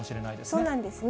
そうなんですね。